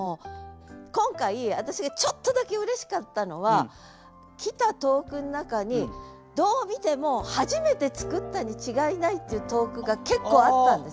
今回私がちょっとだけうれしかったのは来た投句の中にどう見ても初めて作ったに違いないっていう投句が結構あったんです。